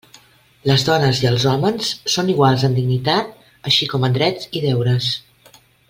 Les dones i els hòmens són iguals en dignitat, així com en drets i deures.